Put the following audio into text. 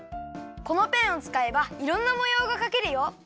このペンをつかえばいろんなもようがかけるよ。